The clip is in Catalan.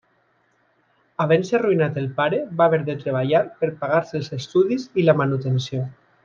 Havent-se arruïnat el pare, va haver de treballar per pagar-se els estudis i la manutenció.